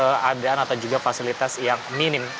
bisa bertahan dengan keadaan atau juga fasilitas yang minim